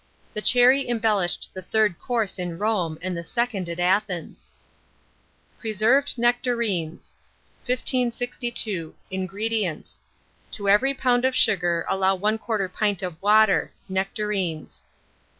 The cherry embellished the third course in Rome and the second at Athens. PRESERVED NECTARINES. 1562. INGREDIENTS. To every lb. of sugar allow 1/4 pint of water; nectarines.